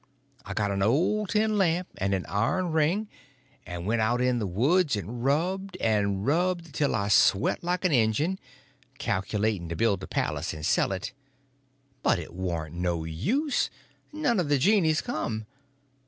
I got an old tin lamp and an iron ring, and went out in the woods and rubbed and rubbed till I sweat like an Injun, calculating to build a palace and sell it; but it warn't no use, none of the genies come.